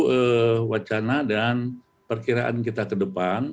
salah satu wacana dan perkiraan kita ke depan